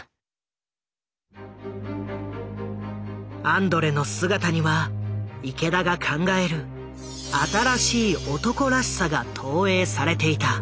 アンドレの姿には池田が考える新しい男らしさが投影されていた。